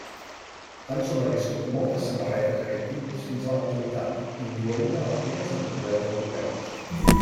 Han sobreviscut moltes samarretes d'aquest tipus fins a l'actualitat, incloent-ne algunes en museus europeus.